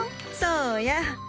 そうや。